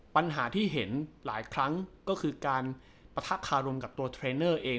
ปัญหาที่เห็นหลายครั้งก็คือการปะทะคารมกับตัวเทรนเนอร์เอง